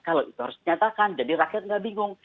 kalau itu harus dinyatakan jadi rakyat nggak bingung